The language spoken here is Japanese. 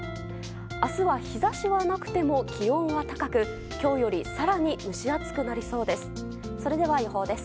明日は日差しはなくても気温は高く今日より更に蒸し暑くなりそうです。